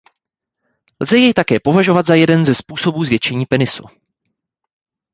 Lze jej také považovat za jeden ze způsobů zvětšení penisu.